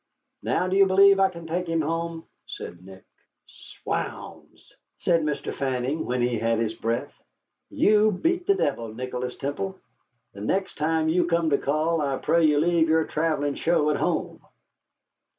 "Now do you believe I can take him home?" said Nick. "'Swounds!" said Mr. Fanning, when he had his breath. "You beat the devil, Nicholas Temple. The next time you come to call I pray you leave your travelling show at home."